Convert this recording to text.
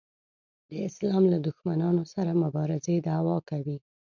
د اسلام له دښمنانو سره مبارزې دعوا کوي.